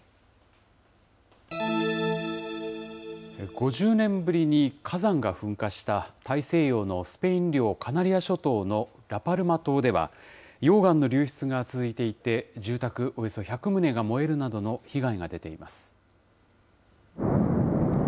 ５０年ぶりに火山が噴火した、大西洋のスペイン領カナリア諸島のラパルマ島では、溶岩の流出が続いていて、住宅およそ１００棟が燃えるなどの被害が出ています。